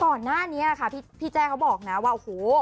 ก่อนหน้านี้ค่ะพี่แจ้เขาบอกนะว่าโอ้โห